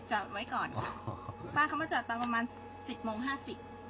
จอดไว้ก่อนป้าเขามาจอดต่อประมาณ๑๐โมง๕๐